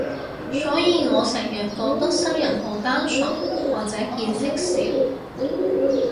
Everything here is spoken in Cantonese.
所以我成日覺得西人好單純，或者見識少